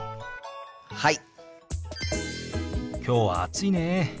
はい！